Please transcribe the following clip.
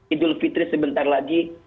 idul fitri sebentar lagi